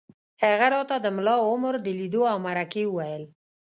هغه راته د ملا عمر د لیدو او مرکې وویل